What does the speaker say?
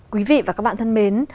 quý vị và các bạn thân mến